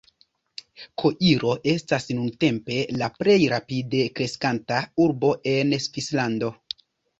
Koiro estas nuntempe la plej rapide kreskanta urbo en Svislando.